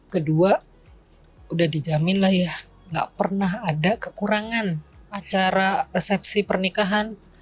kedua udah dijamin lah ya nggak pernah ada kekurangan acara resepsi pernikahan